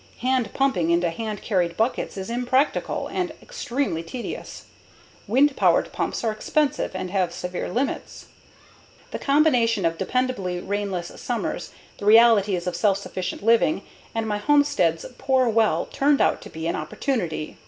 Hand pumping into hand carried buckets is impractical and extremely tedious. Wind powered pumps are expensive and have severe limits. The combination of dependably rainless summers, the realities of self sufficient living, and my homestead's poor well turned out to be an opportunity.